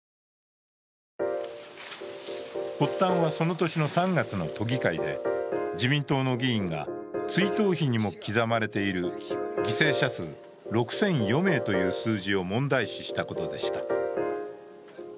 発端はその年の３月の都議会で自民党の議員が追悼碑にも刻まれている犠牲者数六千余名という数字を問題視したことでした。